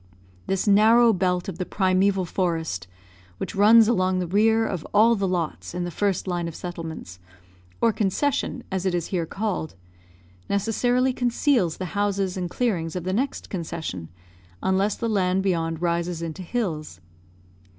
This narrow belt of the primeval forest, which runs along the rear of all the lots in the first line of settlements, or concession as it is here called, necessarily conceals the houses and clearings of the next concession, unless the land beyond rises into hills.